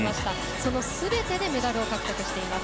そのすべてでメダルを獲得しています。